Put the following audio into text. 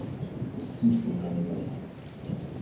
Le cycle est annuel.